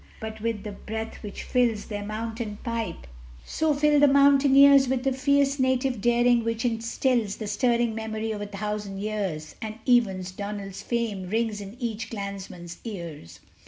But with the breath which fills Their mountain pipe, so fill the mountaineers With the fierce native daring which instills The stirring memory of a thousand years, And Evan's, Donald's fame rings in each clansman's ears!